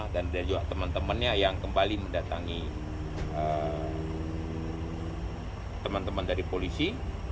dan juga teman temannya yang kembali mendatangi teman teman dari polisi